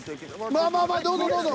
まあまあまあどうぞどうぞ。